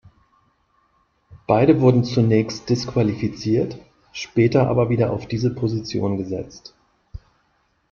Beide wurden zunächst disqualifiziert, später aber wieder auf diese Position gesetzt.